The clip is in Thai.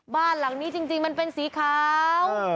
บ้านหลังนี้จริงมันเป็นสีขาว